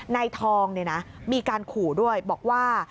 นายทองมีการขู่ด้วยบอกว่า